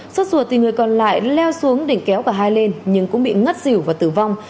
sốt ruột thì người còn lại leo xuống để kéo cả hai lên nhưng cũng bị ngất rỉu và tử vong